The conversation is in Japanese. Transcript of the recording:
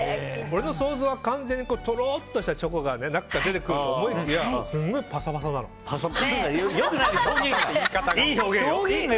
俺の想像は完全にとろっとしたチョコが中から出てくるかと思いきやすごいパサパサなの。